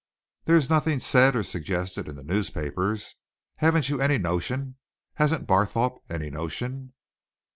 "There's nothing said or suggested in the newspapers. Haven't you any notion hasn't Barthorpe any notion?"